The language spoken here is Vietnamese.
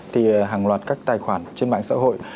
thì hàng loạt các tài khoản trên mạng xã hội